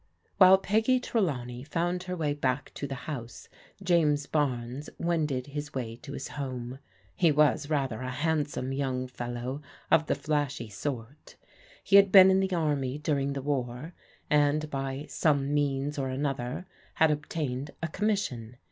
While Peggy Trelawney found her way back to the house, James Barnes wended his way to his home. He was rather a handsome young fellow of the flashy sort. He had been in the army during the war, and by some means or another had obtained a commission.